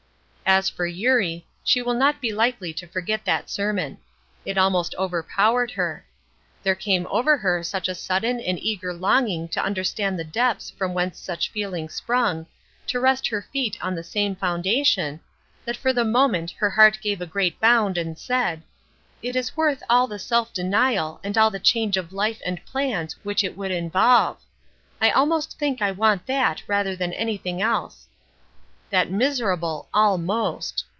As for Eurie, she will not be likely to forget that sermon. It almost overpowered her. There came over her such a sudden and eager longing to understand the depths from whence such feeling sprung, to rest her feet on the same foundation, that for the moment her heart gave a great bound and said: "It is worth all the self denial and all the change of life and plans which it would involve. I almost think I want that rather than anything else." That miserable "almost!"